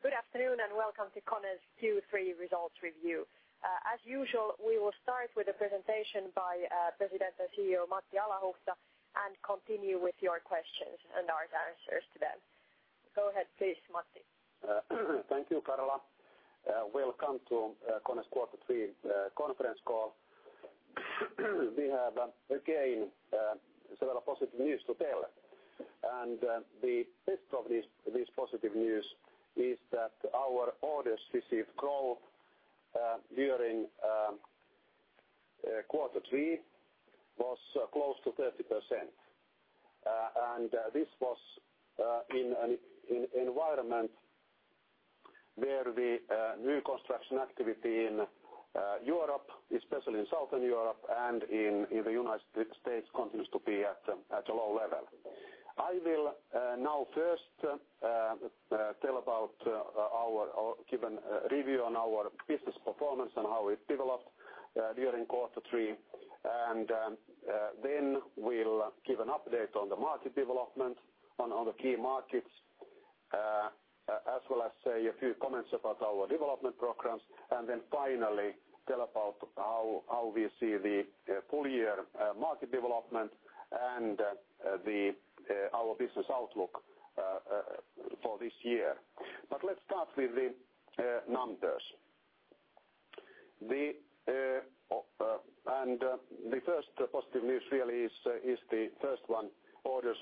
Good afternoon, and welcome to KONE's Q3 Results Review. As usual, we will start with a presentation by President and CEO Matti Alahuhta and continue with your questions and our answers to them. Go ahead, please, Matti. Thank you, Karla. Welcome to KONE's Quarter 3 Conference Call. We have, again, several positive news to tell. The best of this positive news is that our orders received growth during Quarter 3 was close to 30%. This was in an environment where the new construction activity in Europe, especially in Southern Europe and in the United States, continues to be at a low level. I will now first tell about our given review on our business performance and how it developed during Quarter 3. Then we'll give an update on the market development on the key markets, as well as say a few comments about our development programs. Finally, tell about how we see the full-year market development and our business outlook for this year. Let's start with the numbers. The first positive news really is the first one, orders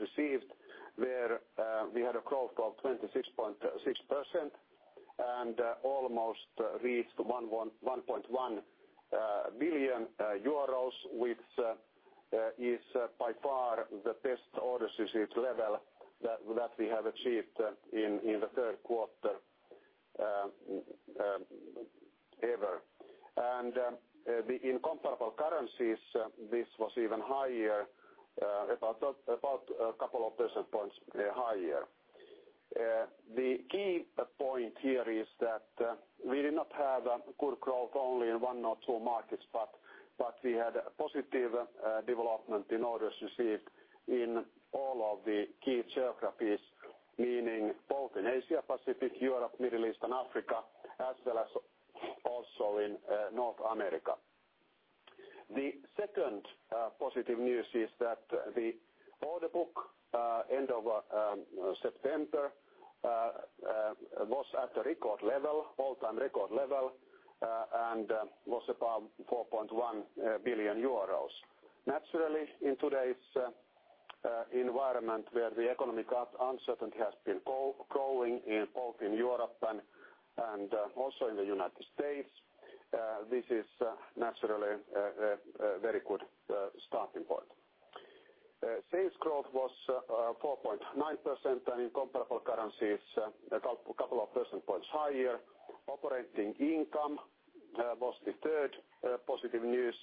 received, where we had a growth of 26.6% and almost reached 1.1 billion euros, which is by far the best orders received level that we have achieved in the third quarter ever. In comparable currencies, this was even higher, about a couple of percentage points higher. The key point here is that we did not have a good growth only in one or two markets, but we had positive development in orders received in all of the key geographies, meaning both in Asia-Pacific, Europe, Middle East and Africa, as well as also in North America. The second positive news is that the order book end of September was at a record level, all-time record level, and was about 4.1 billion euros. Naturally, in today's environment where the economic uncertainty has been growing both in Europe and also in the United States, this is naturally a very good starting point. Sales growth was 4.9% and in comparable currencies, a couple of percentage points higher. Operating income was the third positive news.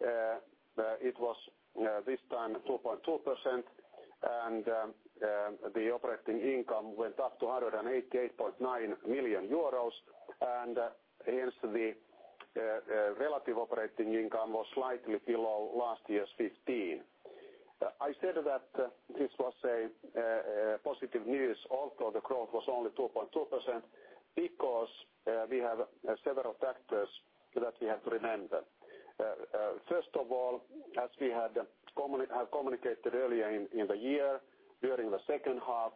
It was this time 2.2% and the operating income went up to 188.9 million euros. Hence, the relative operating income was slightly below last year's 15%. I said that this was a positive news, although the growth was only 2.2% because we have several factors that we have to remember. First of all, as we had communicated earlier in the year, during the second half,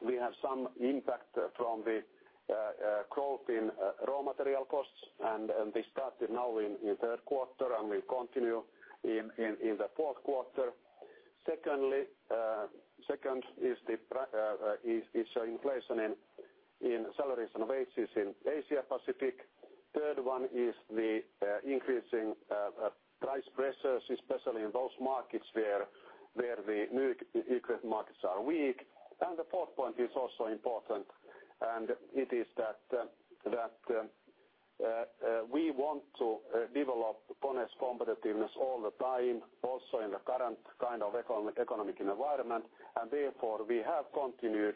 we had some impact from the growth in raw material costs, and we started now in third quarter and will continue in the fourth quarter. Second is the issue of inflation in salaries and wages in Asia-Pacific. Third one is the increasing price pressures, especially in those markets where the new markets are weak. The fourth point is also important, and it is that we want to develop KONE’s competitiveness all the time, also in the current kind of economic environment. Therefore, we have continued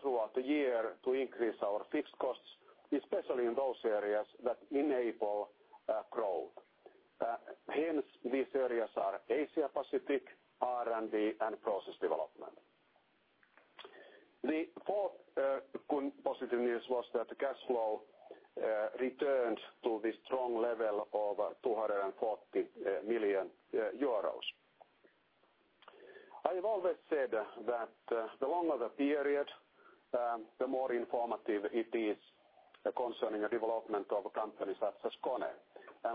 throughout the year to increase our fixed costs, especially in those areas that enable growth. These areas are Asia-Pacific, R&D, and process development. The fourth positive news was that the cash flow returned to the strong level of 240 million euros. I’ve always said that the longer the period, the more informative it is concerning the development of companies such as KONE.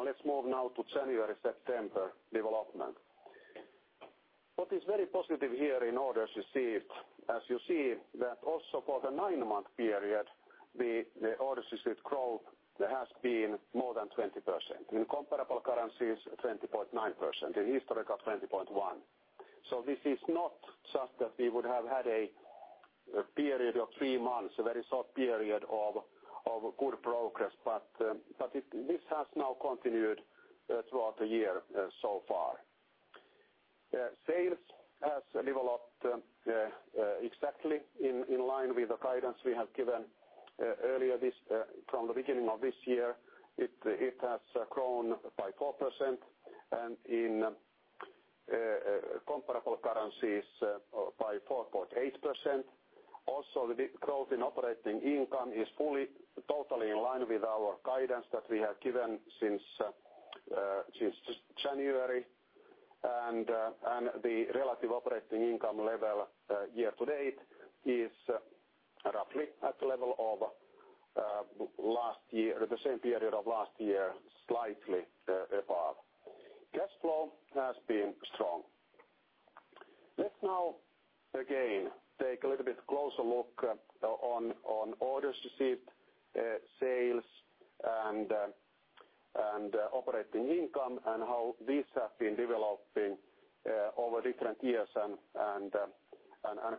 Let’s move now to January–September development. What is very positive here in orders received, as you see, that also for the nine-month period, the orders received growth has been more than 20%. In comparable currencies, 20.9%, in historical, 20.1%. This is not such that we would have had a period of three months, a very short period of good progress, but this has now continued throughout the year so far. Sales have developed exactly in line with the guidance we have given earlier from the beginning of this year. It has grown by 4% and in comparable currencies by 4.8%. Also, the growth in operating income is totally in line with our guidance that we have given since January. The relative operating income level year to date is roughly at the level of last year, the same period of last year, slightly above. Cash flow has been strong. Let’s now again take a little bit closer look on orders received, sales, and operating income, and how these have been developing over different years and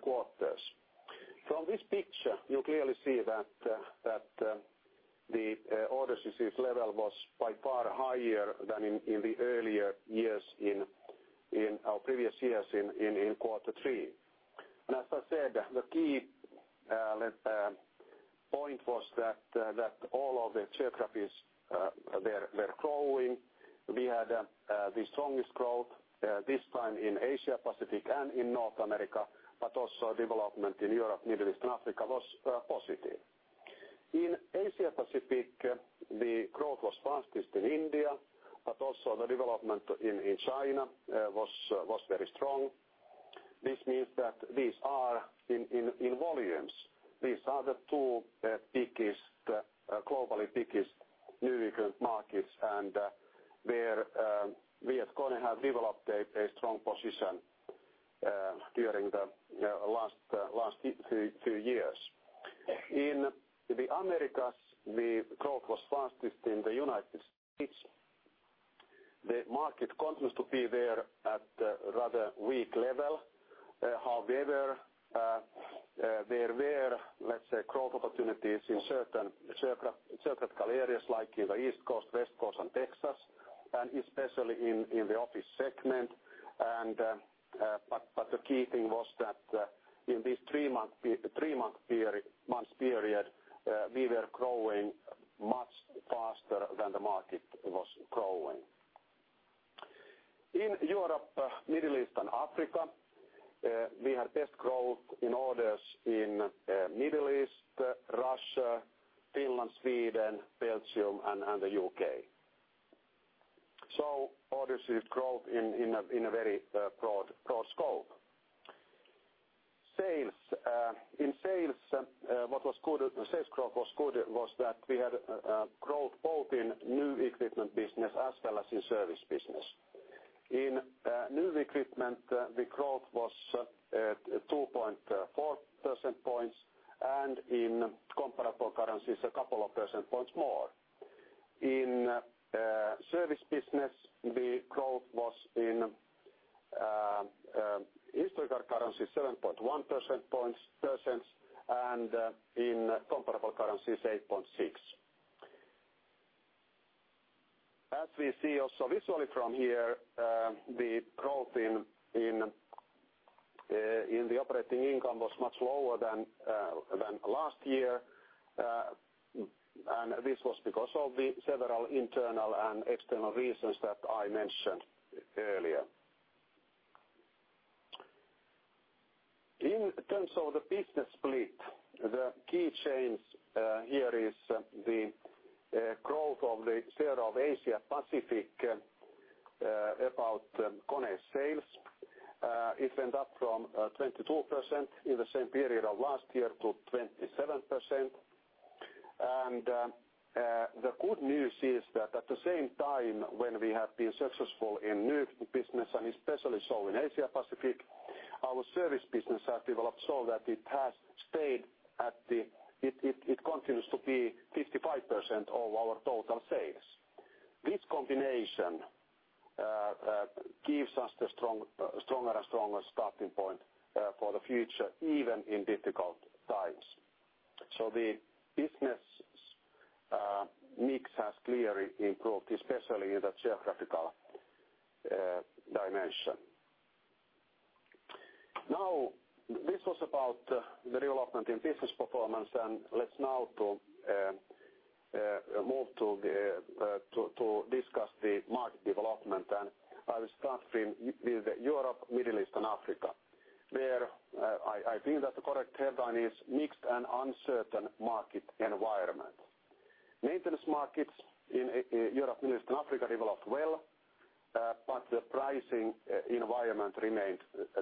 quarters. From this picture, you clearly see that the orders received level was by far higher than in the earlier years, in our previous years in Quarter 3. The key point was that all of the geographies were growing. We had the strongest growth this time in Asia-Pacific and in North America, but also development in Europe, Middle East, and Africa was positive. In Asia-Pacific, the growth was fastest in India, but also the development in China was very strong. This means that these are in volumes, these are the two globally biggest new markets and where we at KONE have developed a very strong position during the last few years. In the Americas, the growth was fastest in the United States. The market continues to be there at a rather weak level. However, there were growth opportunities in certain geographies like in the East Coast, West Coast, and Texas, and especially in the office segment. The key thing was that in this three-month period, we were growing much faster than the market was growing. In Europe, Middle East, and Africa, we had best growth in orders in the Middle East, Russia, Finland, Sweden, Belgium, and the UK. Orders received growth was in a very broad scope. In sales, what was good was that we had growth both in new equipment business as well as in service business. In new equipment, the growth was 2.4 percentage points, and in comparable currencies, a couple of percentage points more. In service business, the growth was in historical currencies 7.1%, and in comparable currencies 8.6%. As we see also visually from here, the growth in the operating income was much lower than last year, and this was because of the several internal and external reasons that I mentioned earlier. In terms of the business split, the key change here is the growth of the share of Asia-Pacific about KONE sales. It went up from 22% in the same period of last year to 27%. The good news is that at the same time when we have been successful in new business, and especially so in Asia-Pacific, our service business has developed so that it has stayed at the, it continues to be 55% of our total sales. This combination gives us the stronger and stronger starting point for the future, even in difficult times. The business mix has clearly improved, especially in the geographical dimension. This was about the development in business performance, and let's now move to discuss the market development. I will start with Europe, Middle East, and Africa, where I think that the correct headline is mixed and uncertain market environment. Maintenance markets in Europe, Middle East, and Africa developed well, but the pricing environment remained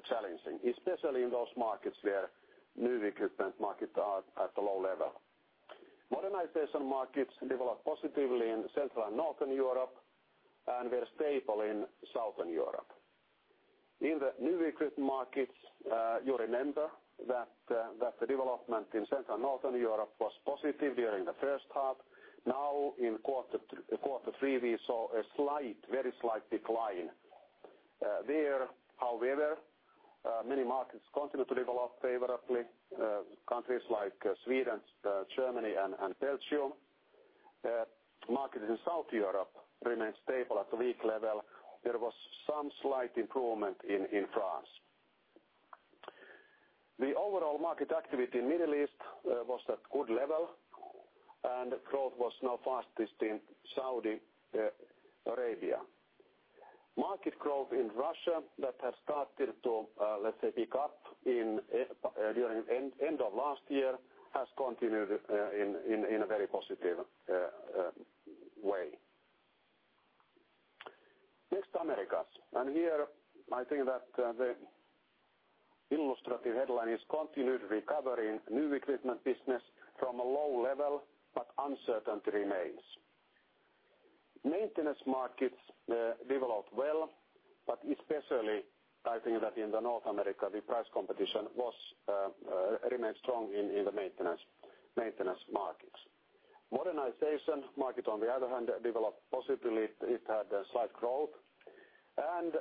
challenging, especially in those markets where new equipment markets are at a low level. Modernization markets developed positively in Central and Northern Europe and were stable in Southern Europe. In the new equipment markets, you remember that the development in Central and Northern Europe was positive during the first half. In Quarter 3, we saw a very slight decline. There, however, many markets continue to develop favorably, countries like Sweden, Germany, and Belgium. Markets in Southern Europe remained stable at a weak level. There was some slight improvement in France. The overall market activity in the Middle East was at a good level, and the growth was now fastest in Saudi Arabia. Market growth in Russia that had started to, let's say, pick up during the end of last year has continued in a very positive way. East Americas, and here I think that the illustrative headline is continued recovering new equipment business from a low level, but uncertainty remains. Maintenance markets developed well, but especially I think that in North America, the price competition remained strong in the maintenance markets. Modernization market, on the other hand, developed positively. It had a slight growth.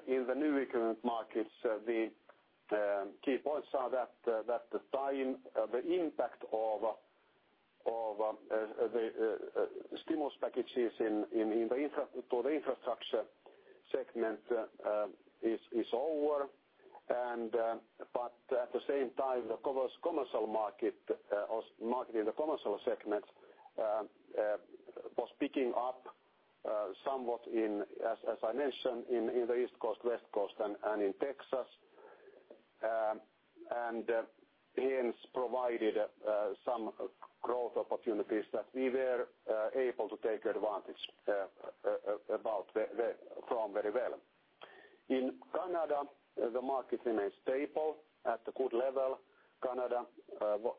In the new equipment markets, the key points are that the time, the impact of the stimulus packages to the infrastructure segments is over. At the same time, the commercial market in the commercial segments was picking up somewhat in, as I mentioned, in the East Coast, West Coast, and in Texas. Hence, provided some growth opportunities that we were able to take advantage from very well. In Canada, the market remains stable at a good level. Canada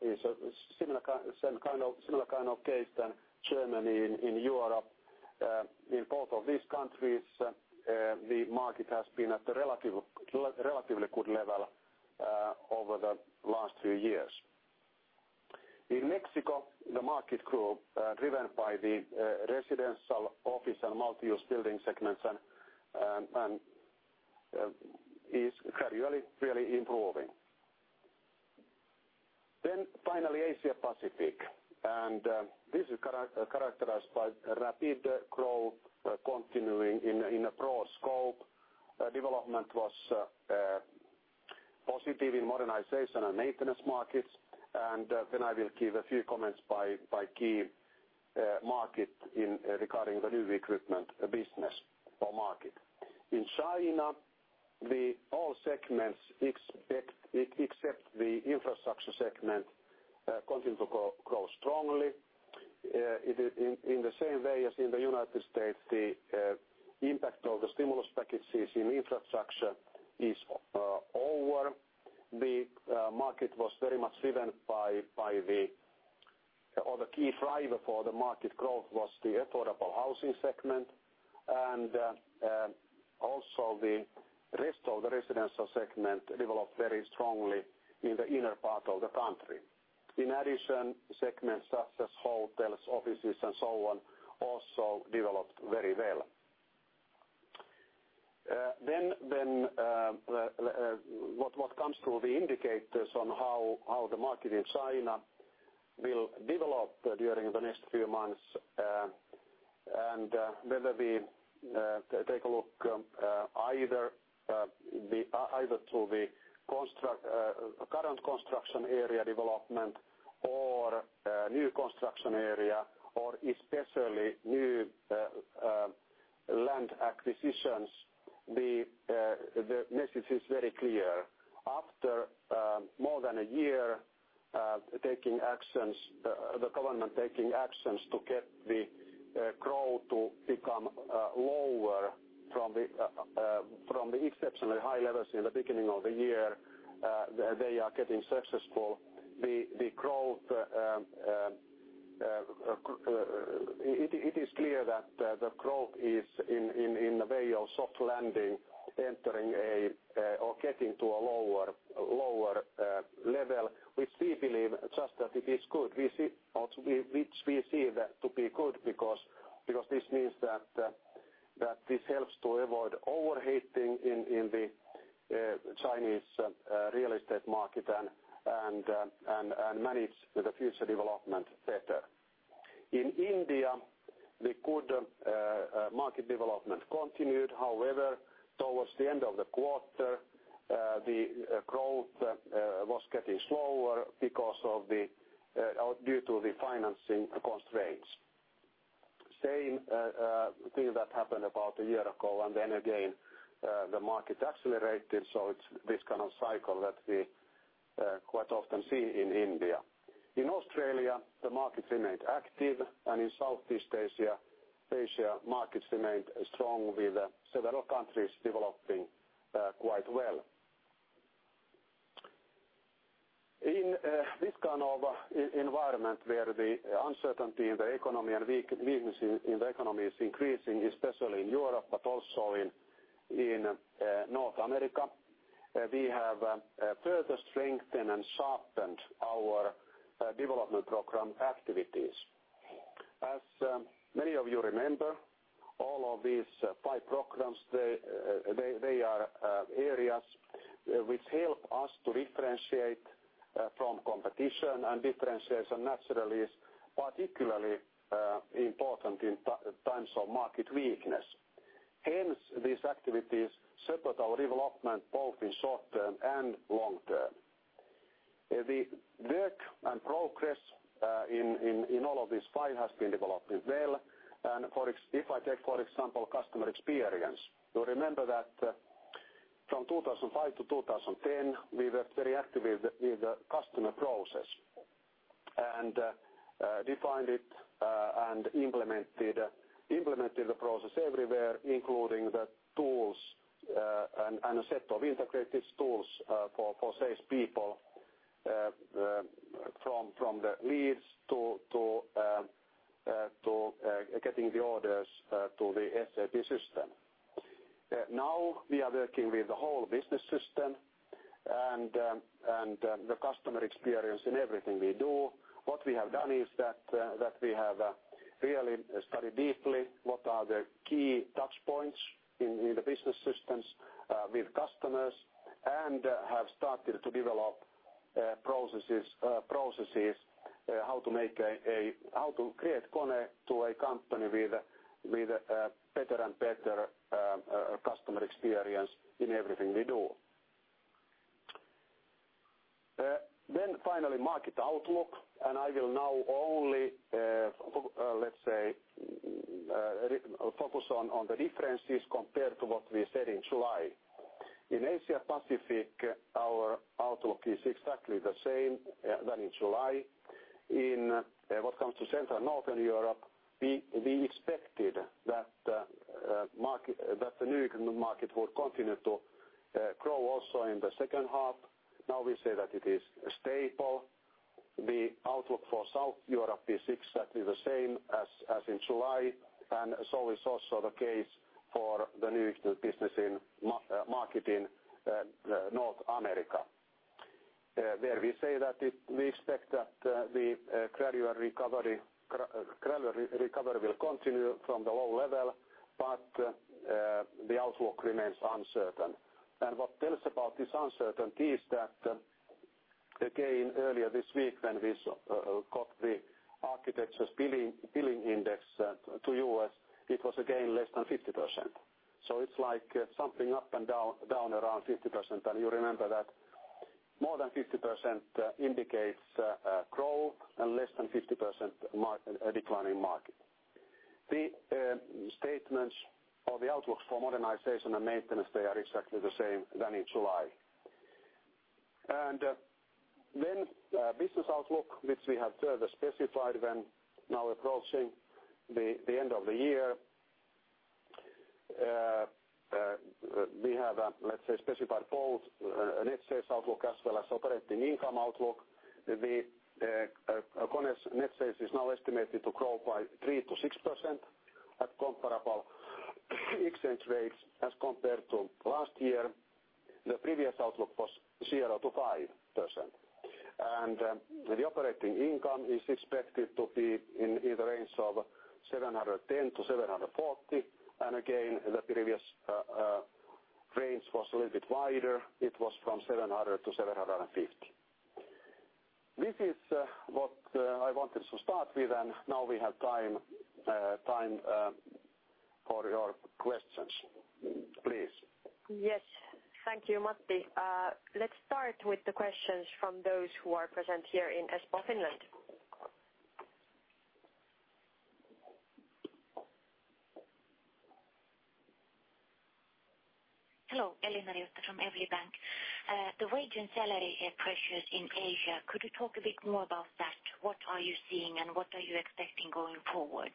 is a similar kind of case than Germany in Europe. In both of these countries, the market has been at a relatively good level over the last few years. In Mexico, the market growth driven by the residential office and multi-use building segments is clearly improving. Finally, Asia-Pacific, and this is characterized by rapid growth continuing in a broad scope. Development was positive in modernization and maintenance markets. I will give a few comments by key markets regarding the new equipment business or market. In China, all segments except the infrastructure segment continue to grow strongly. In the same way as in the United States, the impact of the stimulus packages in infrastructure is over. The market was very much driven by the key driver for the market growth was the affordable housing segment. Also, the rest of the residential segment developed very strongly in the inner part of the country. In addition, segments such as hotels, offices, and so on also developed very well. What comes through the indicators on how the market in China will develop during the next few months, and whether we take a look either to the current construction area development or new construction area or especially new land acquisitions, the message is very clear. After more than a year, the government is taking actions to get the growth to become lower from the exceptionally high levels in the beginning of the year. They are getting successful. It is clear that the growth is in a way of soft landing, entering or getting to a lower level, which we believe is good. We see to be good because this means that this helps to avoid overheating in the Chinese real estate market and manage the future development better. In India, the good market development continued. However, towards the end of the quarter, the growth was getting slower because of the financing constraints. Same thing that happened about a year ago, and then again the market accelerated. It's this kind of cycle that we quite often see in India. In Australia, the market remained active, and in Southeast Asia, markets remained strong with several countries developing quite well. In this kind of environment where the uncertainty in the economy and weakness in the economy is increasing, especially in Europe, but also in North America, we have further strengthened and sharpened our development program activities. As many of you remember, all of these five programs, they are areas which help us to differentiate from competition, and differentiation naturally is particularly important in times of market weakness. Hence, these activities support our development both in short term and long term. The work and progress in all of these five has been developing well. If I take, for example, customer experience, you remember that from 2005 to 2010, we worked very actively with the customer process and defined it and implemented the process everywhere, including the tools and a set of integrated tools for salespeople from the leads to getting the orders to the SAP system. Now, we are working with the whole business system and the customer experience in everything we do. What we have done is that we have really studied deeply what are the key touch points in the business systems with customers and have started to develop processes, how to make a, how to create KONE to a company with a better and better customer experience in everything we do. Finally, market outlook, and I will now only, let's say, focus on the differences compared to what we said in July. In Asia-Pacific, our outlook is exactly the same as in July. In what comes to Central and Northern Europe, we expected that the new equipment market would continue to grow also in the second half. Now we say that it is stable. The outlook for Southern Europe is exactly the same as in July, and so is also the case for the new business market in North America. There we say that we expect that the gradual recovery will continue from the low level, but the outlook remains uncertain. What tells about this uncertainty is that, again, earlier this week when we got the architecture's billing index to the U.S., it was again less than 50%. It's like something up and down around 50%, and you remember that more than 50% indicates growth and less than 50% declining market. The statements of the outlooks for modernization and maintenance, they are exactly the same as in July. The business outlook, which we have further specified when now approaching the end of the year, we have specified both net sales outlook as well as operating income outlook. KONE's net sales is now estimated to grow by 3%-6% at comparable exchange rates as compared to last year. The previous outlook was 0%-5%. The operating income is expected to be in the range of 710 million-740 million, and the previous range was a little bit wider. It was from 700 million-750 million. This is what I wanted to start with, and now we have time for your questions, please. Yes, thank you, Matti. Let's start with the questions from those who are present here in Espoo, Finland. Hello, [Elina Risto] from [Everly Bank]. The wage and salary pressures in Asia, could you talk a bit more about that? What are you seeing and what are you expecting going forward?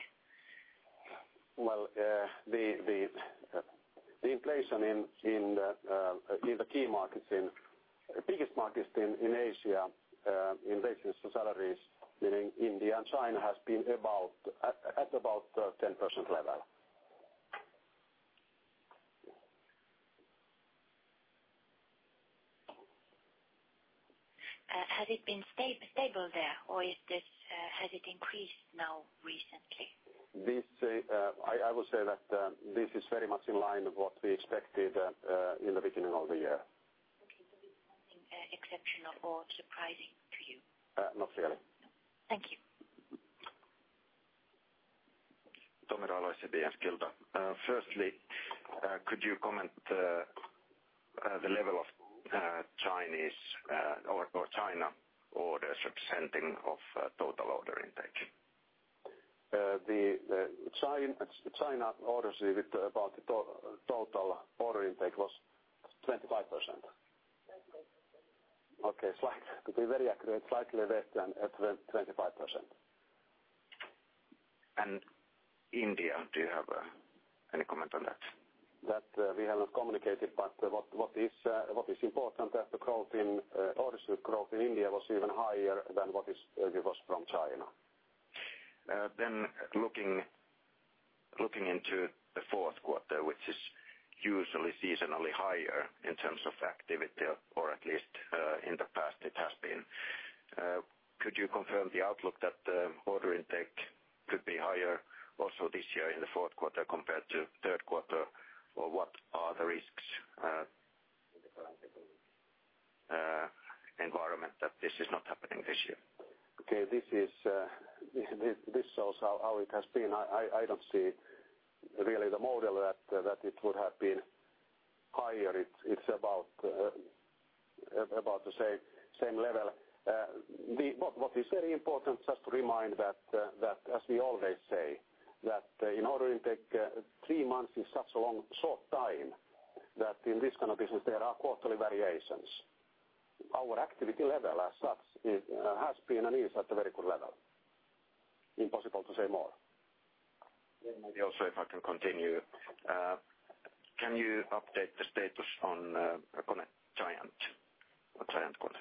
Inflation in the key markets, in the biggest markets in Asia, in reference to salaries in India and China, has been at about 10% level. Has it been stable there, or has it increased now recently? I would say that this is very much in line with what we expected in the beginning of the year. Is there anything exceptional or surprising to you? Not really. Thank you. [Sanna Kaje, and Skilta]. Firstly, could you comment the level of Chinese or China orders representing of total order intake? The China orders, about the total order intake, was 25%. Okay, to be very accurate, slightly less than 25%. Do you have any comment on India? We haven't communicated that, but what is important is that the growth in orders of growth in India was even higher than what was from China. Looking into the fourth quarter, which is usually seasonally higher in terms of activity, or at least in the past it has been, could you confirm the outlook that the order intake could be higher also this year in the fourth quarter compared to the third quarter, or what are the risks? Environment that this is not happening this year. Okay, this shows how it has been. I don't see really the model that it would have been higher. It's about the same level. What is very important is just to remind that, as we always say, that in order to take three months is such a long short time that in this kind of business there are quarterly variations. Our activity level as such has been and is at a very good level. Impossible to say more. Maybe also, if I can continue, can you update the status on Giant KONE?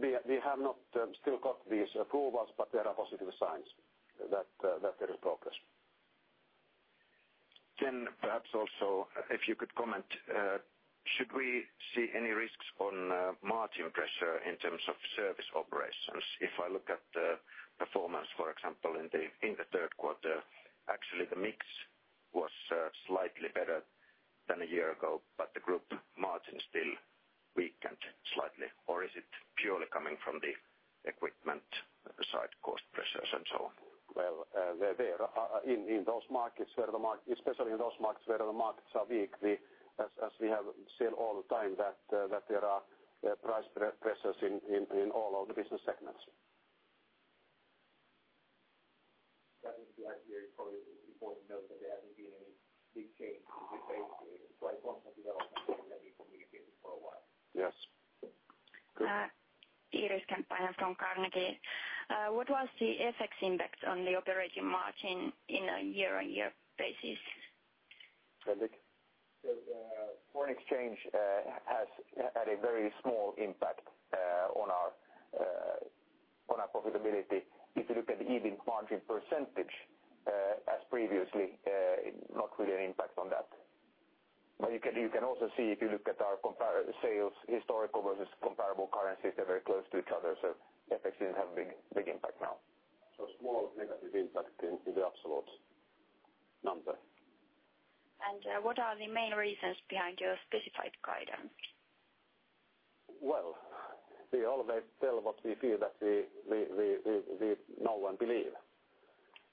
We have not still got these approvals, but there are positive signs that there is progress. Perhaps also, if you could comment, should we see any risks on margin pressure in terms of service operations? If I look at the performance, for example, in the third quarter, actually the mix was slightly better than a year ago, but the group margin still weakened slightly. Is it purely coming from the equipment side cost pressures and so on? In those markets, especially in those markets where the markets are weak, as we have seen all the time that there are price pressures in all of the business segments. That would be probably important to know that there hasn't been any big change compared to the quarter or the other ones that we communicated for a while. Yes. Iris Campaign from DNB Carnegie. What was the FX impact on the operating margin on a year-on-year basis? FedEx? Foreign exchange has had a very small impact on our profitability. If you look at the even margin percentage as previously, not really an impact on that. You can also see if you look at our sales historical versus comparable currencies, they're very close to each other. FX didn't have a big impact now. A small negative impact in the absolute number. What are the main reasons behind your specified guidance? We always tell what we feel that we know and believe.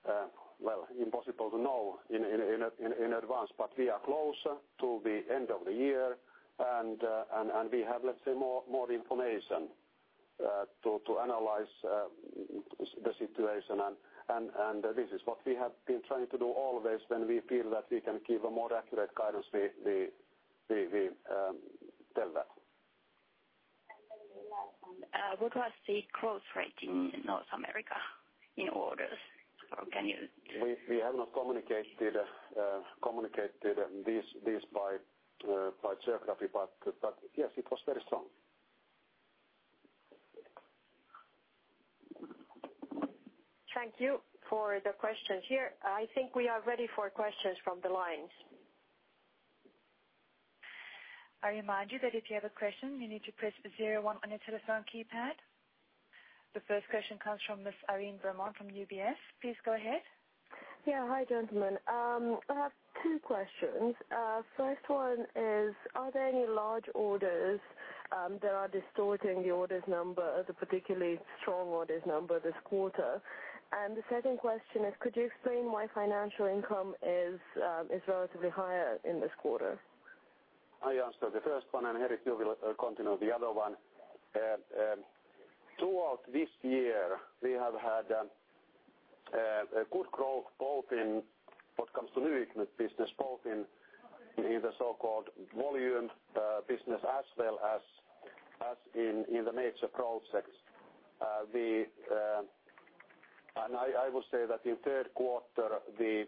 It is impossible to know in advance, but we are closer to the end of the year, and we have, let's say, more information to analyze the situation. This is what we have been trying to do always. When we feel that we can give a more accurate guidance, we tell that. What was the growth rate in North America in orders? Can you? We have not communicated this by geography, but yes, it was very strong. Thank you for the questions here. I think we are ready for questions from the lines. I remind you that if you have a question, you need to press zero one on your telephone keypad. The first question comes from [Ms. Daniela Costa] from [UBS Investment Bank]. Please go ahead. Hi, gentlemen. I have two questions. First one is, are there any large orders that are distorting the orders number, the particularly strong orders number this quarter? The second question is, could you explain why financial income is relatively higher in this quarter? I answer the first one, and Henrik, you will continue the other one. Throughout this year, we have had a good growth both in what comes to new equipment business, both in the so-called volume business as well as in the major projects. I would say that in third quarter, the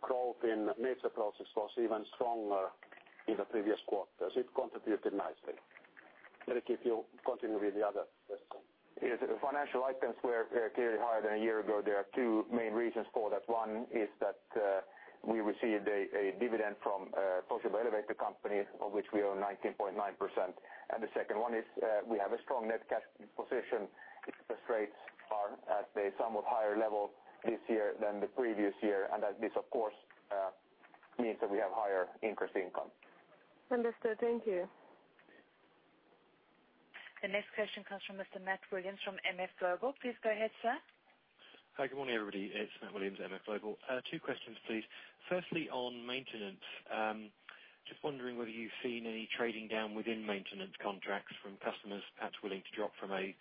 growth in major projects was even stronger than in the previous quarters. It contributed nicely. Henrik, if you continue with the other question. Financial items were clearly higher than a year ago. There are two main reasons for that. One is that we received a dividend from Toshiba Elevator Company, of which we own 19.9%. The second one is we have a strong net cash position. Interest rates are at a somewhat higher level this year than the previous year, which, of course, means that we have higher interest income. Understood. Thank you. The next question comes from [Mr. Matt Williams] from [MF Global]. Please go ahead, sir. Hi, good morning, everybody. It's Matt Williams at MF Global. Two questions, please. Firstly, on maintenance, just wondering whether you've seen any trading down within maintenance contracts from customers perhaps willing to drop from a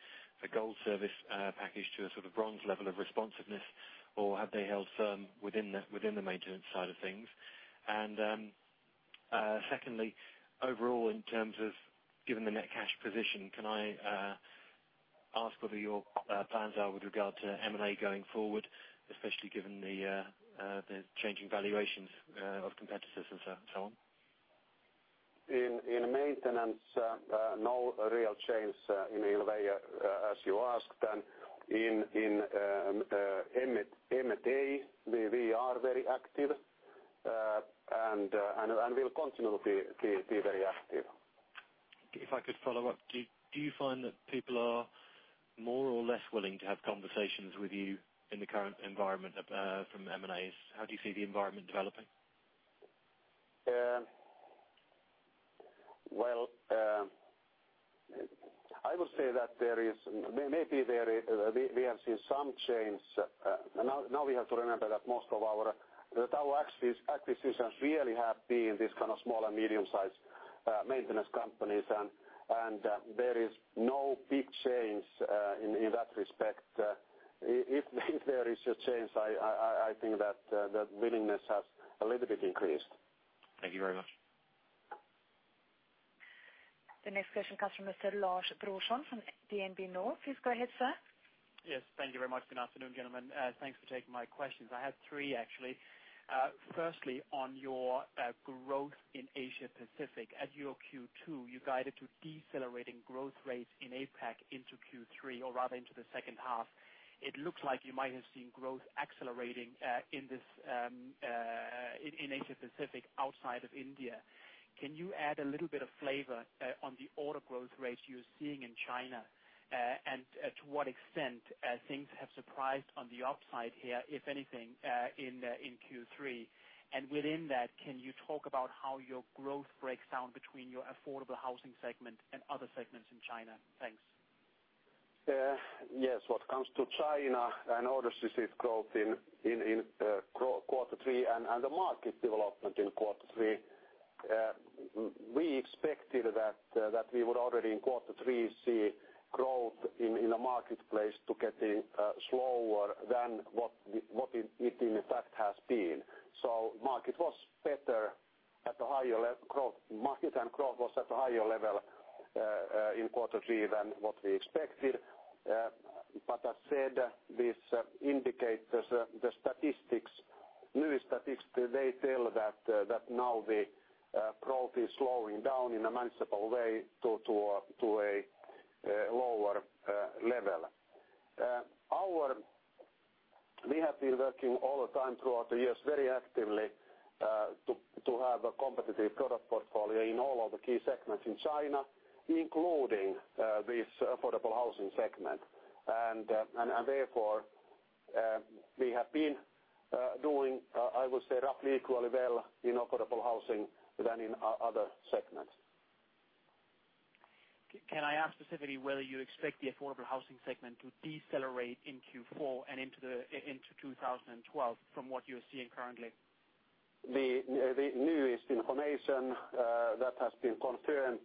gold service package to a sort of bronze level of responsiveness, or have they held firm within the maintenance side of things? Secondly, overall, in terms of given the net cash position, can I ask what your plans are with regard to M&A going forward, especially given the changing valuations of competitors and so on? In maintenance, no real change in the way as you asked. In M&A, we are very active and will continue to be very active. If I could follow up, do you find that people are more or less willing to have conversations with you in the current environment for M&A activity? How do you see the environment developing? I would say that maybe we have seen some change. We have to remember that most of our acquisitions really have been in this kind of small and medium-sized maintenance companies, and there is no big change in that respect. If there is a change, I think that the willingness has a little bit increased. Thank you very much. The next question comes from [Mr. Lars Brorson] from [DNB Carnegie]. Please go ahead, sir. Yes, thank you very much. Good afternoon, gentlemen. Thanks for taking my questions. I had three, actually. Firstly, on your growth in Asia-Pacific. At your Q2, you guided to decelerating growth rates in Asia-Pacific into Q3, or rather into the second half. It looks like you might have seen growth accelerating in Asia-Pacific outside of India. Can you add a little bit of flavor on the order growth rates you're seeing in China and to what extent things have surprised on the upside here, if anything, in Q3? Within that, can you talk about how your growth breaks down between your affordable housing segment and other segments in China? Thanks. Yes, what comes to China and orders received growth in quarter three and the market development in quarter three, we expected that we would already in quarter three see growth in the marketplace get slower than what it in fact has been. The market was better at the higher level. Market and growth was at a higher level in quarter three than what we expected. These indicators, the statistics, new statistics, they tell that now the growth is slowing down in a manageable way to a lower level. We have been working all the time throughout the years very actively to have a competitive product portfolio in all of the key segments in China, including this affordable housing segment. Therefore, we have been doing, I would say, roughly equally well in affordable housing than in other segments. Can I ask specifically whether you expect the affordable housing segment to decelerate in Q4 and into 2012 from what you're seeing currently? The newest information that has been confirmed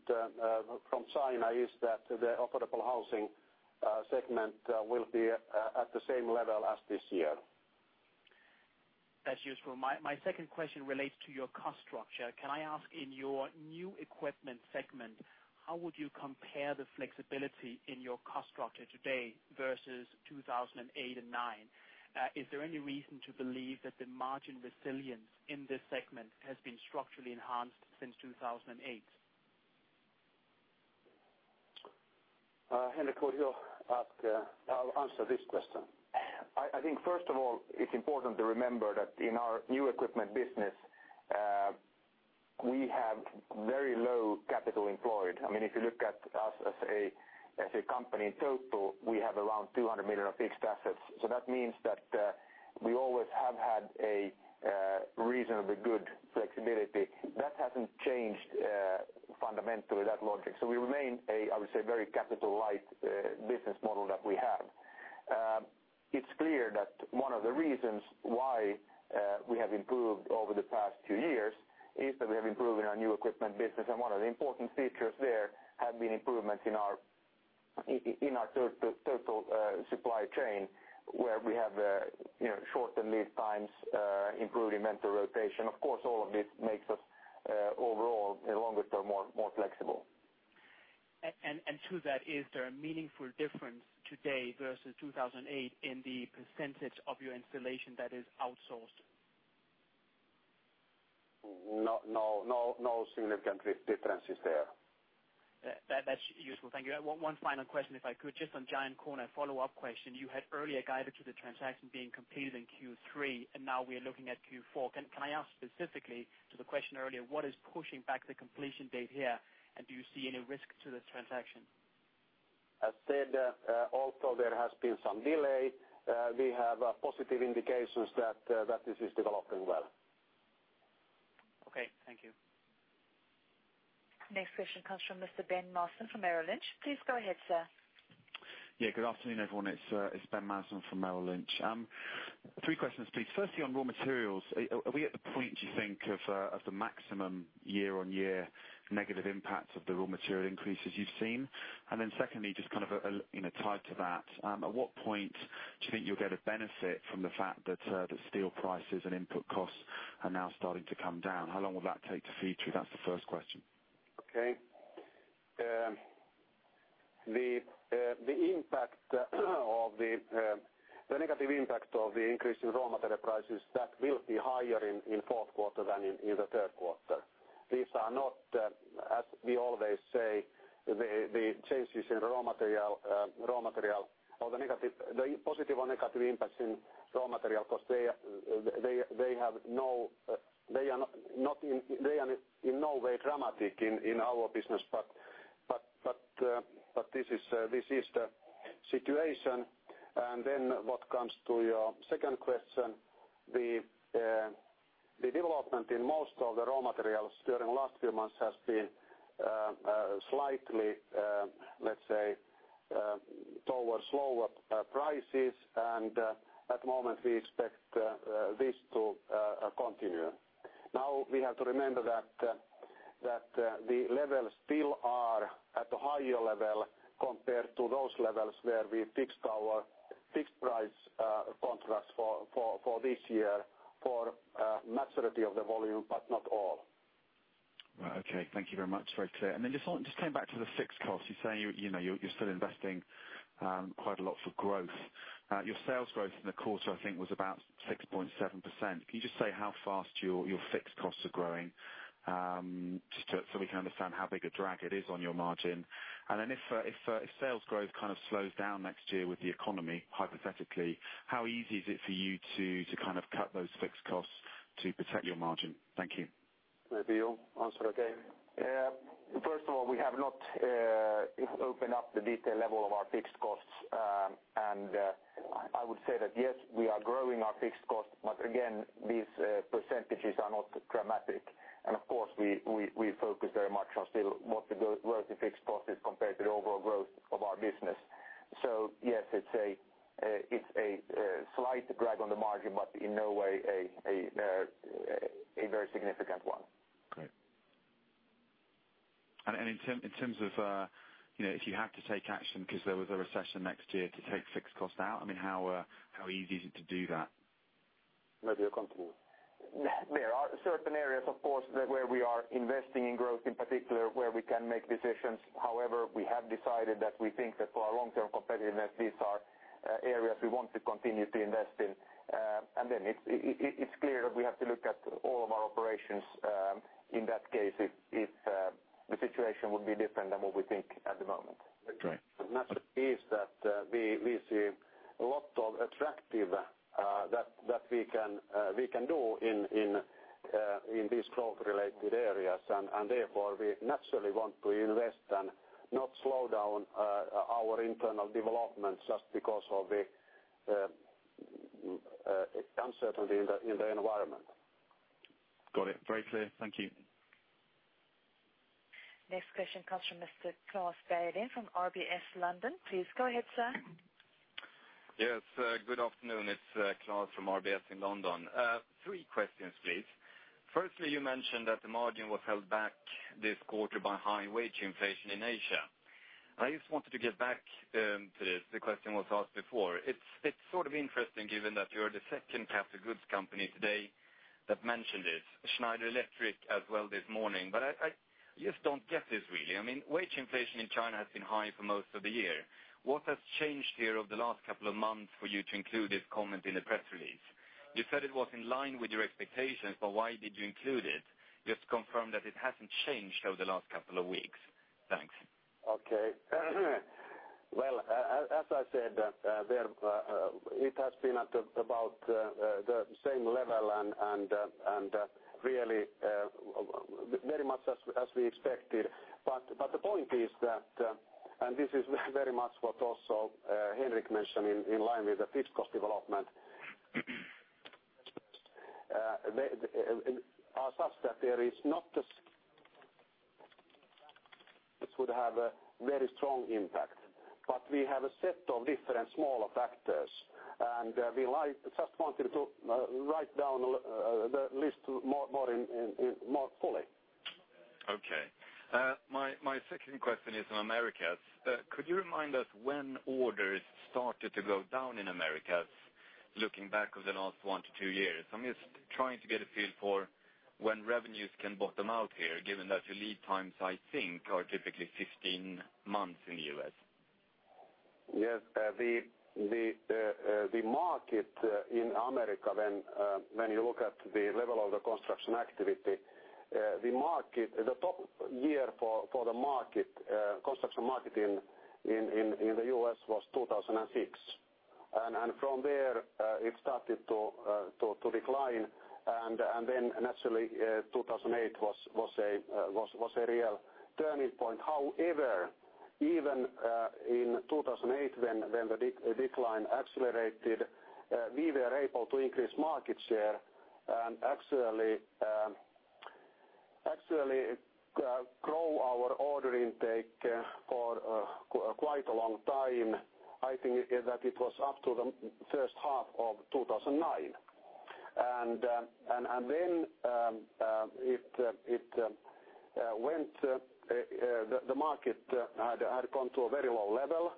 from China is that the affordable housing segment will be at the same level as this year. That's useful. My second question relates to your cost structure. Can I ask, in your new equipment segment, how would you compare the flexibility in your cost structure today versus 2008 and 2009? Is there any reason to believe that the margin resilience in this segment has been structurally enhanced since 2008? Here I'll answer this question. I think, first of all, it's important to remember that in our new equipment business, we have very low capital employed. I mean, if you look at us as a company in total, we have around 200 million of fixed assets. That means that we always have had a reasonably good flexibility. That hasn't changed fundamentally, that logic. We remain, I would say, a very capital-light business model that we have. It's clear that one of the reasons why we have improved over the past few years is that we have improved in our new equipment business. One of the important features there have been improvements in our total supply chain where we have shortened lead times and improved inventory rotation. Of course, all of this makes us overall in the longer term more flexible. Is there a meaningful difference today versus 2008 in the percentage of your installation that is outsourced? No, no significant difference is there. That's useful. Thank you. One final question, if I could, just on Giant Corner, follow-up question. You had earlier guided to the transaction being completed in Q3, and now we're looking at Q4. Can I ask specifically to the question earlier, what is pushing back the completion date here, and do you see any risk to the transaction? As said, although there has been some delay, we have positive indications that this is developing well. Okay, thank you. Next question comes from [Mr. Ben Marston] from [Merrill Lynch]. Please go ahead, sir. Good afternoon, everyone. It's [Ben Marston] from [Merrill Lynch]. Three questions, please. Firstly, on raw materials, are we at the point, do you think, of the maximum year-on-year negative impacts of the raw material increases you've seen? Secondly, just kind of tied to that, at what point do you think you'll get a benefit from the fact that steel prices and input costs are now starting to come down? How long will that take to feed you? That's the first question. Okay. The impact of the negative impact of the increase in raw material prices, that will be higher in the fourth quarter than in the third quarter. These are not, as we always say, the changes in raw material or the positive or negative impacts in raw material costs, they are in no way dramatic in our business, but this is the situation. What comes to your second question, the development in most of the raw materials during the last few months has been slightly, let's say, towards lower prices. At the moment, we expect this to continue. We have to remember that the levels still are at the higher level compared to those levels where we fixed our fixed price contracts for this year for a majority of the volume, but not all. Okay, thank you very much, Matti. Just coming back to the fixed costs, you're saying you're still investing quite a lot for growth. Your sales growth in the quarter, I think, was about 6.7%. Can you just say how fast your fixed costs are growing just so we can understand how big a drag it is on your margin? If sales growth kind of slows down next year with the economy, hypothetically, how easy is it for you to kind of cut those fixed costs to protect your margin? Thank you. First of all, we have not opened up the detailed level of our fixed costs. I would say that, yes, we are growing our fixed costs, but again, these percentages are not dramatic. Of course, we focus very much on still what the growth in fixed costs is compared to the overall growth of our business. Yes, it's a slight drag on the margin, but in no way a very significant one. If you have to take action because there was a recession next year to take fixed costs out, how easy is it to do that? Maybe you're comfortable. There are certain areas, of course, where we are investing in growth, in particular, where we can make decisions. However, we have decided that we think that for our long-term competitiveness, these are areas we want to continue to invest in. It is clear that we have to look at all of our operations in that case if the situation would be different than what we think at the moment. The message is that we see a lot of attractive things that we can do in these growth-related areas. Therefore, we naturally want to invest and not slow down our internal development just because of the uncertainty in the environment. Got it. Very clear. Thank you. Next question comes from [Mr. Klaus Baudin] from [RBS London]. Please go ahead, sir. Yes, good afternoon. It's [Klaus from RBS in London]. Three questions, please. Firstly, you mentioned that the margin was held back this quarter by high wage inflation in Asia. I just wanted to get back to this. The question was asked before. It's sort of interesting given that you're the second captive goods company today that mentioned this, Schneider Electric as well this morning. I just don't get this really. I mean, wage inflation in China has been high for most of the year. What has changed here over the last couple of months for you to include this comment in the press release? You said it was in line with your expectations, but why did you include it? Just confirm that it hasn't changed over the last couple of weeks. Thanks. Okay. As I said, it has been at about the same level and really very much as we expected. The point is that, and this is very much what also Henrik mentioned in line with the pitch of development, are such that this would not have a very strong impact. We have a set of different smaller factors, and we just wanted to write down the list more fully. Okay. My second question is in Americas. Could you remind us when orders started to go down in Americas looking back over the last one to two years? I'm just trying to get a feel for when revenues can bottom out here given that the lead times, I think, are typically 15 months in the U.S. Yes. The market in the Americas, when you look at the level of the construction activity, the market, the top year for the construction market in the U.S. was 2006. From there, it started to decline. In 2008, it was a real turning point. However, even in 2008, when the decline accelerated, we were able to increase market share and actually grow our order intake for quite a long time. I think that it was up to the first half of 2009. It went, the market had come to a very low level.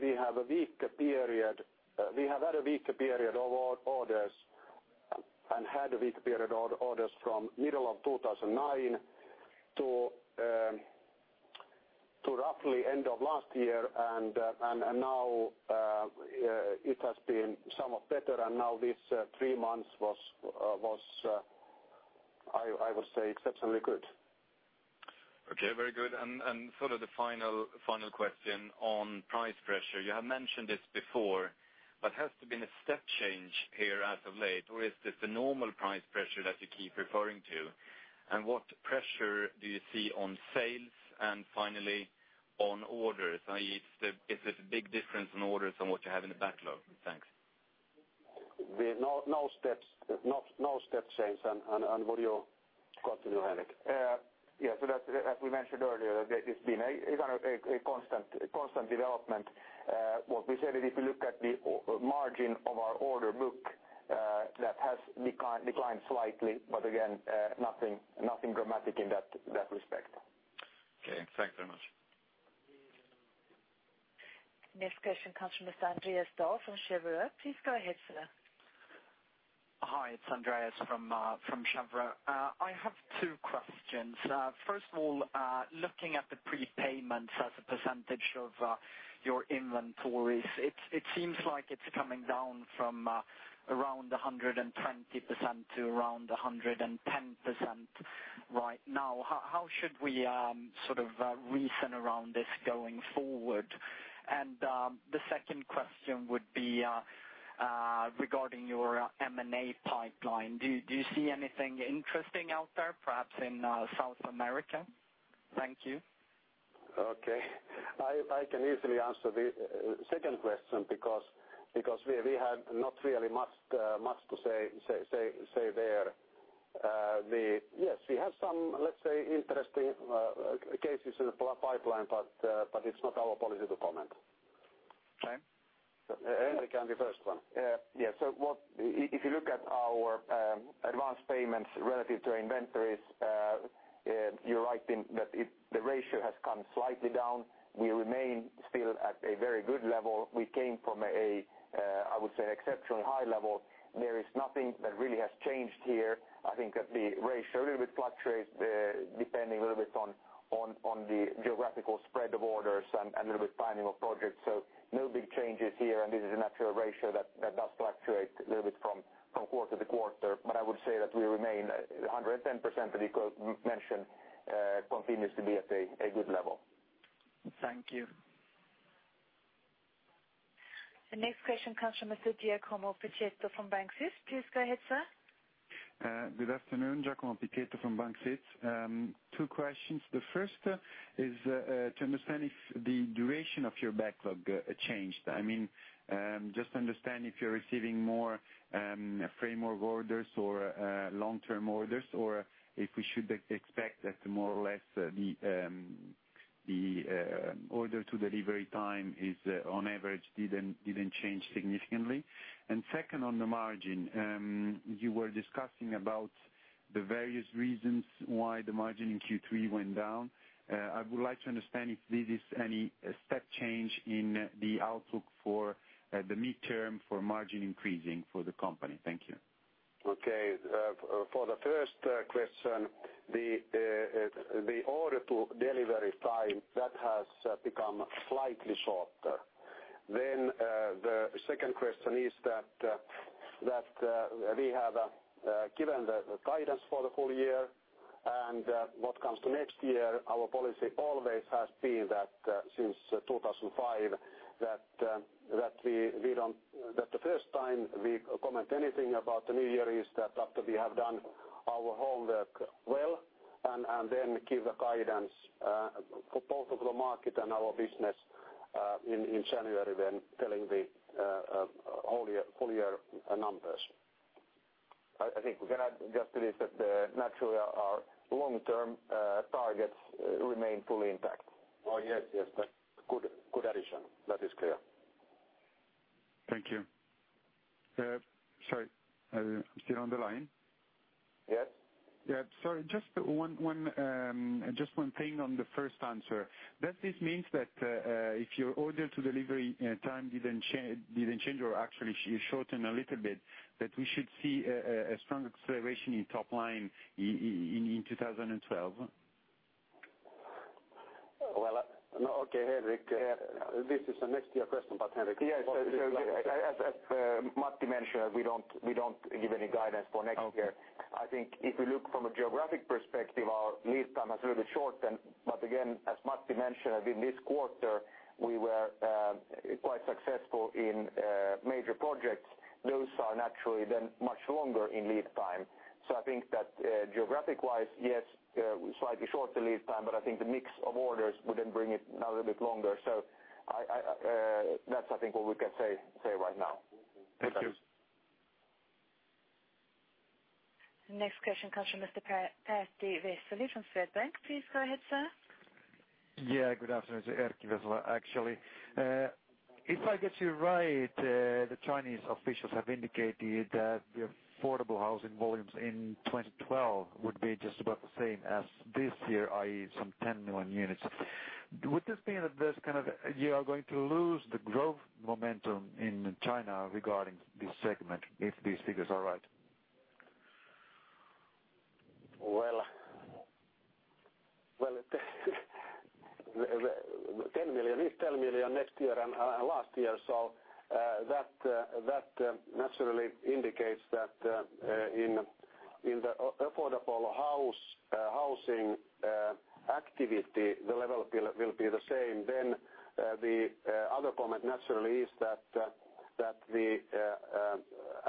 We had a weak period. We had had a weak period of orders and had a weak period of orders from the middle of 2009 to roughly end of last year. Now it has been somewhat better. These three months was, I would say, exceptionally good. Okay, very good. The final question on price pressure. You have mentioned this before, but has there been a step change here as of late, or is this the normal price pressure that you keep referring to? What pressure do you see on sales and finally on orders? Is it a big difference on orders and what you have in the backlog? Thanks. No step change. What do you continue, Henrik? Yeah, so we mentioned earlier that it's been a constant development. What we said is if you look at the margin of our order book, that has declined slightly, but again, nothing dramatic in that respect. Okay, thank you very much. Next question comes from [Mr. Andreas Dahl] from [Cheuvreux]. Please go ahead, sir. Hi, it's Andreas from Chevreux. I have two questions. First of all, looking at the prepayments as a percentage of your inventories, it seems like it's coming down from around 120% to around 110% right now. How should we sort of reason around this going forward? The second question would be regarding your M&A pipeline. Do you see anything interesting out there, perhaps in South America? Thank you. Okay. I can easily answer the second question because we have not really much to say there. Yes, we have some, let's say, interesting cases in the pipeline, but it's not our policy to comment. Okay. Eric, I'm the first one. Yeah, if you look at our advanced payments relative to our inventories, you're right in that the ratio has come slightly down. We remain still at a very good level. We came from a, I would say, exceptionally high level. There is nothing that really has changed here. I think that the ratio a little bit fluctuates depending a little bit on the geographical spread of orders and a little bit of timing of projects. No big changes here, and this is a natural ratio that does fluctuate a little bit from quarter to quarter. I would say that we remain at 110% that you mentioned, which continues to be at a good level. Thank you. The next question comes from Mr. [Giacomo Picetto] from [Bank Suisse]. Please go ahead, sir. Good afternoon, [Giacomo Picetto] from [Bank Suisse]. Two questions. The first is to understand if the duration of your backlog changed. I mean, just to understand if you're receiving more framework orders or long-term orders, or if we should expect that more or less the order to delivery time on average didn't change significantly. Second, on the margin, you were discussing the various reasons why the margin in Q3 went down. I would like to understand if this is any step change in the outlook for the midterm for margin increasing for the company. Thank you. Okay. For the first question, the order to delivery time has become slightly shorter. The second question is that we have given the guidance for the whole year. What comes to next year, our policy always has been that since 2005, the first time we comment anything about the new year is after we have done our homework well and then give the guidance for both the market and our business in January when telling the whole year numbers. I think we can add just to this that the long-term targets remain fully intact. Yes, yes. That's a good addition. That is clear. Thank you. Sorry, I'm still on the line. Yes. Sorry, just one thing on the first answer. Does this mean that if your order to delivery time didn't change or actually shorten a little bit, that we should see a strong acceleration in top line in 2012? Okay, Henrik, this is a next-year question, but Henrik. Yeah, sorry. As Matti mentioned, we don't give any guidance for next year. I think if we look from a geographic perspective, our lead time has really shortened. As Matti mentioned, within this quarter, we were quite successful in major projects. Those are naturally then much longer in lead time. I think that geographic-wise, yes, slightly shorter lead time, but I think the mix of orders would then bring it now a little bit longer. That's what we can say right now. Thank you. The next question comes from [Mr. Petri Vesalu] from [Swedbank]. Please go ahead, sir. Yeah, good afternoon, sir. Eric, actually. If I get you right, the Chinese officials have indicated that the affordable housing volumes in 2012 would be just about the same as this year, i.e., some 10 million units. Would this mean that you are going to lose the growth momentum in China regarding this segment if these figures are right? Ten million is ten million next year and last year. That naturally indicates that in the affordable housing segment, the level will be the same. The other comment naturally is that the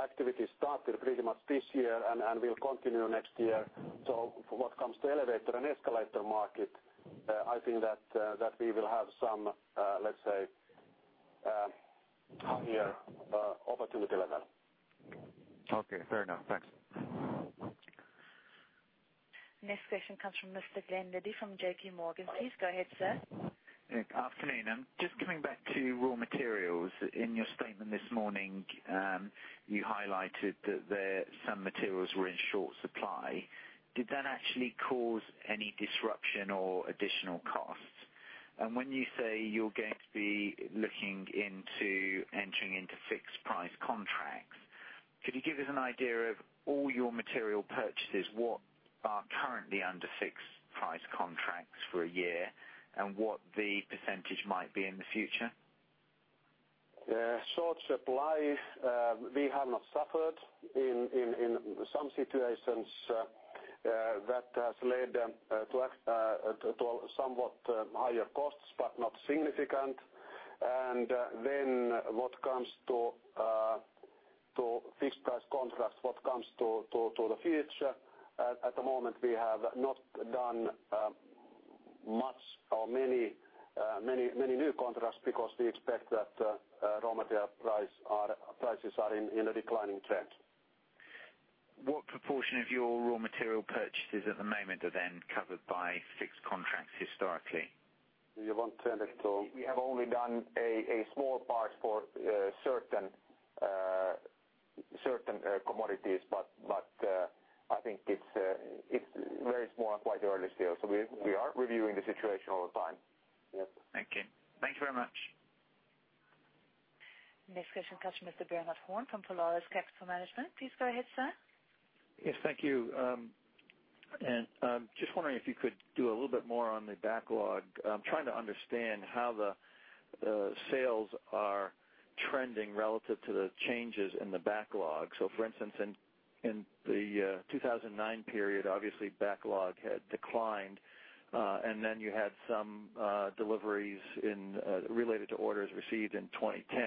activity started pretty much this year and will continue next year. What comes to elevator and escalator market, I think that we will have some, let's say, higher opportunity level. Okay, fair enough. Thanks. Next question comes from [Mr. Glenn Liddy] from [JPMorgan]. Please go ahead, sir. Good afternoon. I'm just coming back to raw materials. In your statement this morning, you highlighted that some materials were in short supply. Did that actually cause any disruption or additional costs? When you say you're going to be looking into entering into fixed-price contracts, could you give us an idea of all your material purchases? What are currently under fixed-price contracts for a year and what the percentage might be in the future? Short supply, we have not suffered. In some situations, that has led to somewhat higher costs, but not significant. What comes to fixed-price contracts, what comes to the future, at the moment, we have not done much or many new contracts because we expect that raw material prices are in a declining trend. What proportion of your raw material purchases at the moment are then covered by fixed contracts historically? We have only done a small part for certain commodities, but I think it's very small and quite early still. We are reviewing the situation all the time. Thank you. Thank you very much. Next question comes from [Mr. Bernhard Horn] from [Polaris Capital Management]. Please go ahead, sir. Yes, thank you. I'm just wondering if you could do a little bit more on the backlog. I'm trying to understand how the sales are trending relative to the changes in the backlog. For instance, in the 2009 period, obviously, backlog had declined. Then you had some deliveries related to orders received in 2010.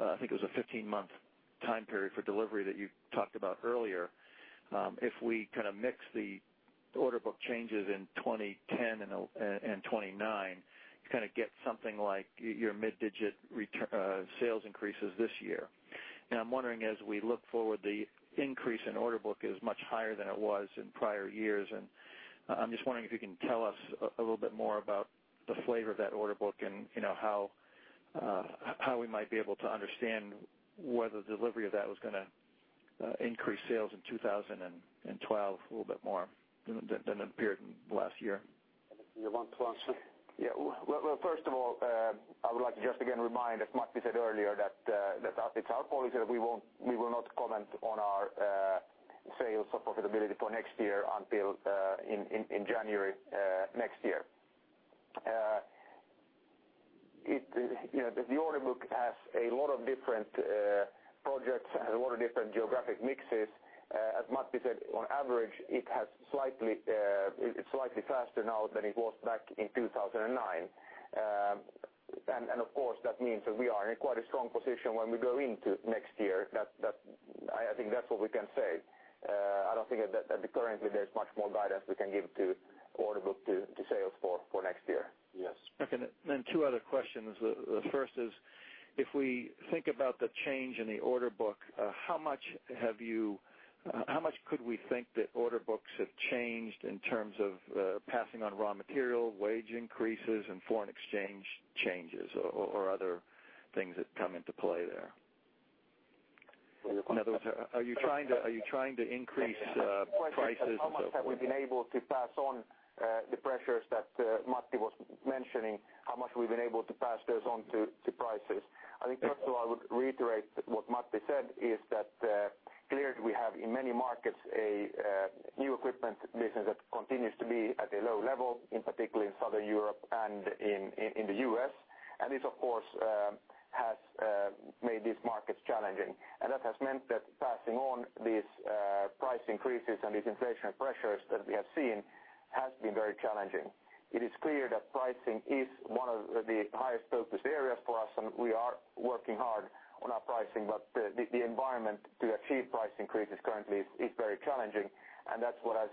I think it was a 15-month time period for delivery that you talked about earlier. If we kind of mix the order book changes in 2010 and 2009, we kind of get something like your mid-digit sales increases this year. I'm wondering, as we look forward, the increase in order book is much higher than it was in prior years. I'm just wondering if you can tell us a little bit more about the flavor of that order book and how we might be able to understand whether the delivery of that was going to increase sales in 2012 a little bit more than it appeared in the last year. You're one closer. First of all, I would like to just again remind, as Matti said earlier, that it's our policy that we will not comment on our sales or profitability for next year until in January next year. The order book has a lot of different projects, has a lot of different geographic mixes. As Matti said, on average, it's slightly faster now than it was back in 2009. Of course, that means that we are in quite a strong position when we go into next year. I think that's what we can say. I don't think that currently there's much more guidance we can give to order book to sales for next year. Yes. Okay. Two other questions. The first is, if we think about the change in the order book, how much could we think that order books have changed in terms of passing on raw material, wage increases, and foreign exchange changes, or other things that come into play there? In other words, are you trying to increase prices? We've been able to pass on the pressures that Matti was mentioning, how much we've been able to pass those on to prices. I think first of all, I would reiterate what Matti said is that clearly we have in many markets a new equipment business that continues to be at a low level, in particular in Southern Europe and in the U.S. This, of course, has made these markets challenging. That has meant that passing on these price increases and these inflation pressures that we have seen has been very challenging. It is clear that pricing is one of the highest focused areas for us, and we are working hard on our pricing. The environment to achieve price increases currently is very challenging. That's what I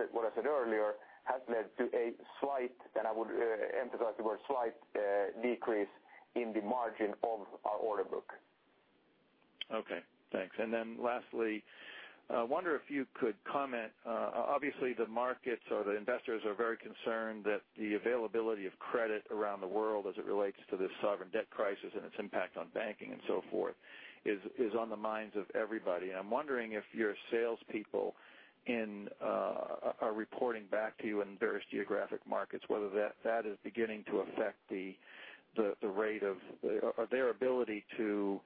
said earlier, has led to a slight, and I would emphasize the word slight, decrease in the margin of our order book. Okay, thanks. Lastly, I wonder if you could comment. Obviously, the markets or the investors are very concerned that the availability of credit around the world as it relates to this sovereign debt crisis and its impact on banking and so forth is on the minds of everybody. I'm wondering if your salespeople are reporting back to you in various geographic markets, whether that is beginning to affect the rate of their ability to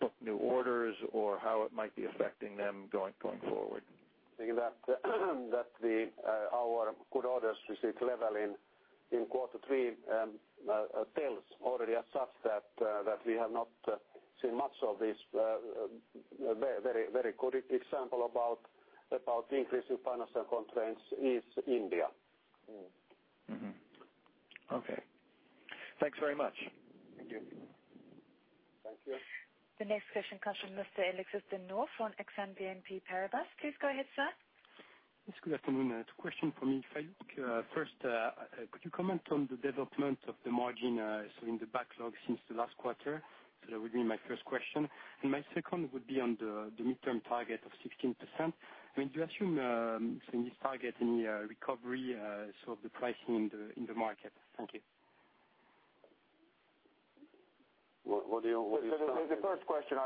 book new orders or how it might be affecting them going forward. Thinking that our good orders received level in quarter three tells already as such that we have not seen much of this. A very, very good example about increasing financial constraints is India. Okay, thanks very much. Thank you. The next question comes from [Mr. Vladimir Sergievskii] from [BNP Paribas Exane]. Please go ahead, sir. Excuse me, I have a question from Yves Fayut. First, could you comment on the development of the margin in the backlog since the last quarter? That would be my first question. My second would be on the midterm target of 16%. Do you assume in this target any recovery of the pricing in the market? Thank you. The first question,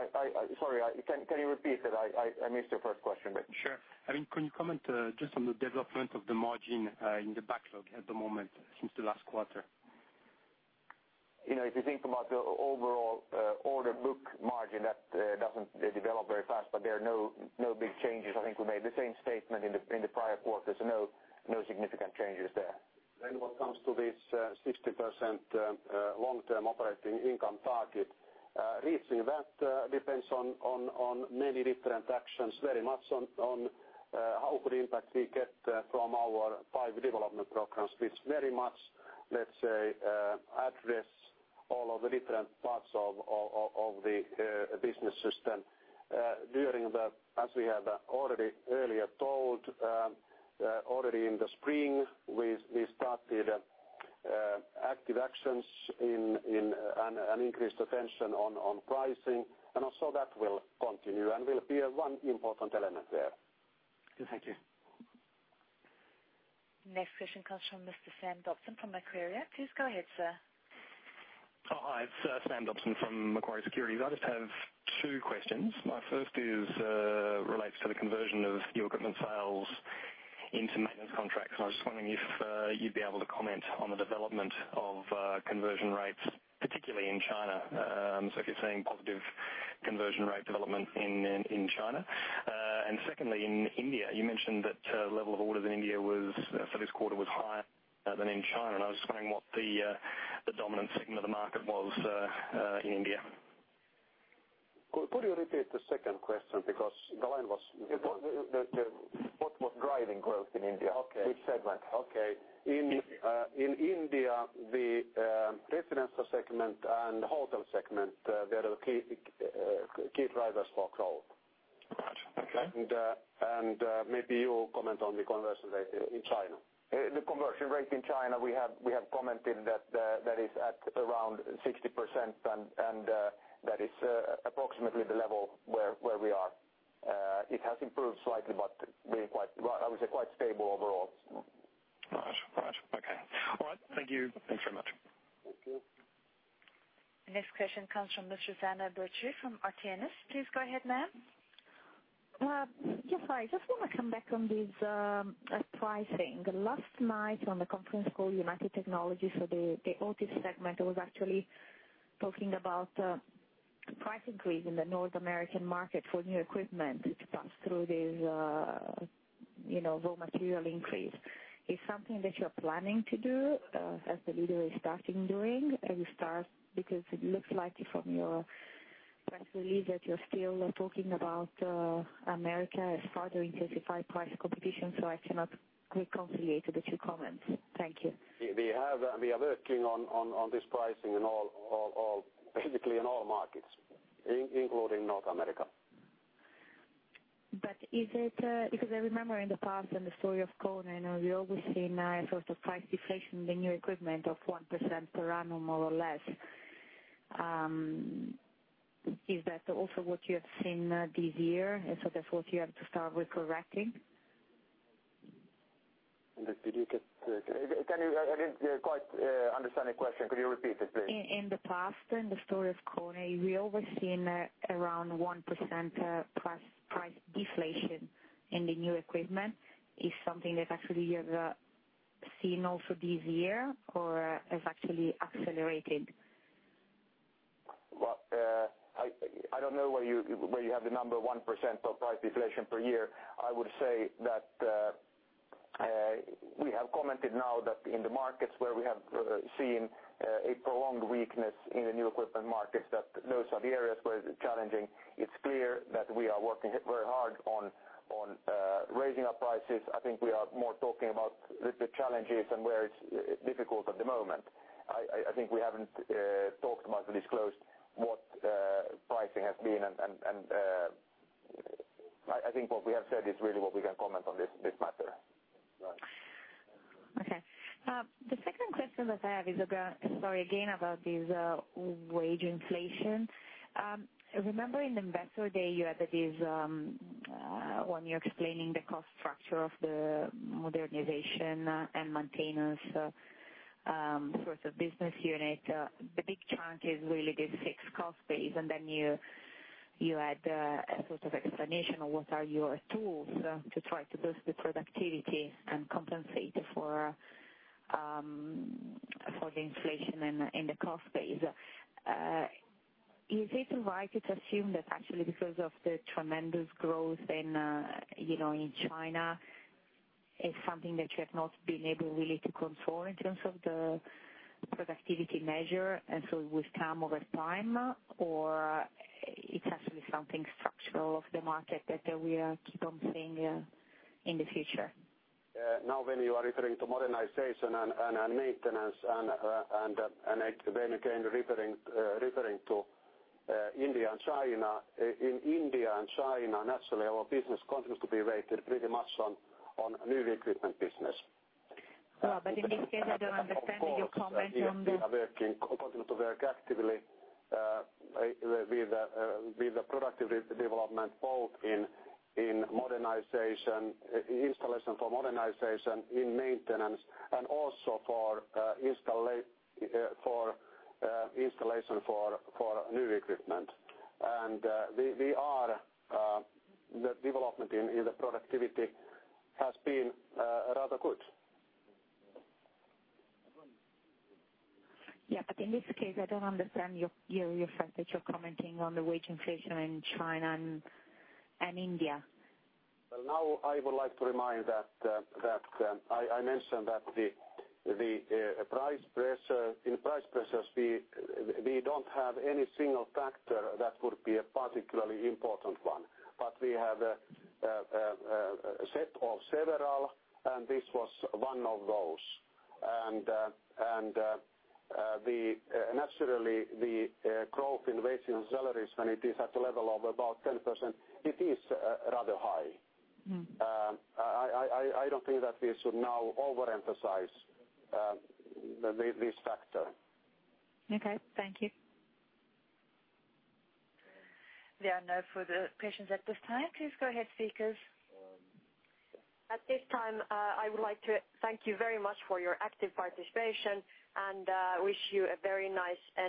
sorry, can you repeat it? I missed your first question. Sure. Can you comment just on the development of the margin in the backlog at the moment since the last quarter? If you think about the overall order book margin, that doesn't develop very fast, but there are no big changes. I think we made the same statement in the prior quarters. No significant changes there. What comes to this 60% long-term operating income target, reaching that depends on many different actions, very much on how good impact we get from our five development programs which very much, let's say, address all of the different parts of the business system. As we have already earlier told, already in the spring, we started active actions and increased attention on pricing. Also, that will continue and will be one important element there. Thank you. Next question comes from [Mr. Sam Dobson] from [Macquarie]. Please go ahead, sir. Hi, it's [Sam Dobson] from [Macquarie Securities]. I just have two questions. My first relates to the conversion of steel equipment sales into maintenance contracts. I was just wondering if you'd be able to comment on the development of conversion rates, particularly in China. If you're seeing positive conversion rate development in China. Secondly, in India, you mentioned that the level of orders in India for this quarter was higher than in China. I was just wondering what the dominant segment of the market was in India. Could you repeat the second question? Because the line was. What's driving growth in India? Which segment? Okay. In India, the residential segment and the hotel segment are the key drivers for growth. Maybe you will comment on the conversion rate in China. The conversion rate in China, we have commented that is at around 60%, and that is approximately the level where we are. It has improved slightly, but I would say quite stable overall. Got it. Okay. All right. Thank you. Thanks very much. Thank you. Next question comes from [Ms. Susanna Virtue] from [RTNS]. Please go ahead, ma'am. Yes, hi. I just want to come back on this pricing. Last night on the conference call, United Technologies, so the OTC segment, I was actually talking about price increase in the North American market for new equipment. It comes through this raw material increase. Is something that you're planning to do as the leader is starting doing? Because it looks like from your press release that you're still talking about Americas as further intensified price competition. I cannot reconciliate the two comments. Thank you. We have and we are working on this pricing in all, all, all basically in all markets, including North America. Is it because I remember in the past and the story of KONE, I know you're always seeing a sort of price deflation in the new equipment of 1% per annum, more or less. Is that also what you have seen this year? Therefore, do you have to start recorrecting? Could you repeat it, please? In the past, in the story of KONE, we've always seen around 1% price deflation in the new equipment. Is that something that actually you've seen also this year or has it actually accelerated? I don't know where you have the number 1% of price deflation per year. I would say that we have commented now that in the markets where we have seen a prolonged weakness in the new equipment markets, those are the areas where it's challenging. It's clear that we are working very hard on raising our prices. I think we are more talking about the challenges and where it's difficult at the moment. I think we haven't talked about at least close what pricing has been. I think what we have said is really what we can comment on this matter. Okay. The second question that I have is about, sorry, again about this wage inflation. Remember in the investor day, you added this when you were explaining the cost structure of the modernization and maintenance sort of business unit. The big chunk is really this fixed cost base. Then you add a sort of explanation of what are your tools to try to boost the productivity and compensate for the inflation in the cost base. Is it right to assume that actually because of the tremendous growth in China, it is something that you have not been able really to control in terms of the productivity measure? It will come over time, or is it actually something structural of the market that we are stumbling in the future? Now, when you are referring to modernization and maintenance, and then again referring to India and China, in India and China, naturally, our business continues to be rated pretty much on new equipment business. In this case, I don't understand your comment on. are working, continue to work actively with the productive development both in modernization, installation for modernization, in maintenance, and also for installation for new equipment. The development in the productivity has been rather good. Yeah, in this case, I don't understand your fact that you're commenting on the wage inflation in China and India. I would like to remind that I mentioned that in price pressures, we don't have any single factor that would be a particularly important one. We have a set of several, and this was one of those. Naturally, the growth in wages and salaries, when it is at the level of about 10%, it is rather high. I don't think that we should now overemphasize this factor. Okay, thank you. There are no further questions at this time. Please go ahead, speakers. At this time, I would like to thank you very much for your active participation and wish you a very nice end.